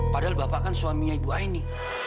padahal bapak kan suaminya ibu aini